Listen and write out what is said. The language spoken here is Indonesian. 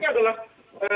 itu akhidatnya ya